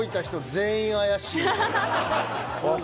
全員怪しい。